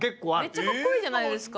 めっちゃかっこいいじゃないですか。